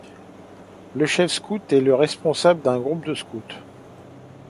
Le chef scout est le responsable d'un groupe de scouts.